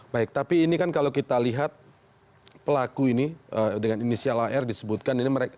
baik tapi ini kan kalau kita lihat pelaku ini dengan inisial ar disebutkan